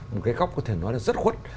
một cái góc có thể nói là rất khuất